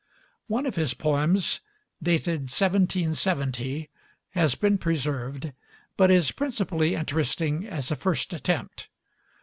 One of his poems, dated 1770, has been preserved, but is principally interesting as a first attempt.